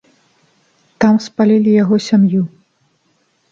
Там спалілі яго сям'ю.